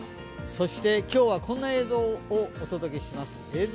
そして今日はこんな映像をお届けします。